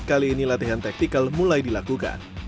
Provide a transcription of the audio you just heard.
kali ini latihan taktikal mulai dilakukan